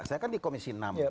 saya kan di komisi enam